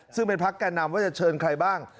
ซึ่งเป็นพักแก่นำว่าจะเชิญใครบ้าง